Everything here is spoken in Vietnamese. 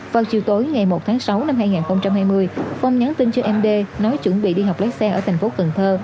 vào chiều tối ngày một tháng sáu năm hai nghìn hai mươi phong nhắn tin cho em d nói chuẩn bị đi học lái xe ở thành phố cần thơ